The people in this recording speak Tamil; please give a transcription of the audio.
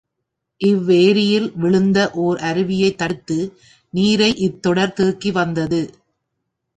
இவ் வேரியில் விழுந்த ஓர் அருவியைத் தடுத்து நீரை இத் தொடர் தேக்கி வந்தது.